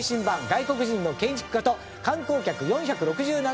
外国人の建築家と観光客４６７人に徹底調査！